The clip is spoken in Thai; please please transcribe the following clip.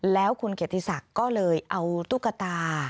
แล้วคุณเกียรติศักดิ์ก็เลยเอาตุ๊กตา